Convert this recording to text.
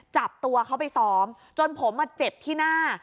จับตัวเขาไปซ้อมจนผมเจ็บที่หน้า